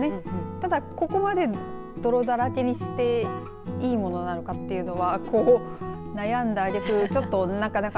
ただ、ここまで泥だらけにしていいものなのかっていうのはこう悩んだ揚げ句ちょっとなかなか。